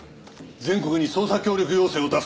全国に捜査協力要請を出す。